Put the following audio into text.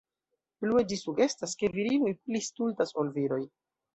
Plue ĝi sugestas, ke virinoj pli stultas ol viroj.